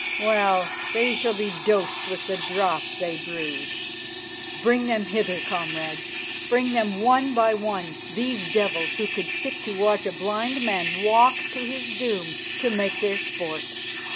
Well, they shall be dosed with the draught they brewed. "Bring them hither, comrades, bring them one by one, these devils who could sit to watch a blind man walk to his doom to make their sport.